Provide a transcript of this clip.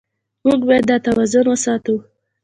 موږ باید دا توازن وساتو.